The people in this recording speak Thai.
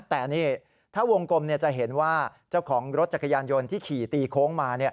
แต่นี่ถ้าวงกลมจะเห็นว่าเจ้าของรถจักรยานยนต์ที่ขี่ตีโค้งมา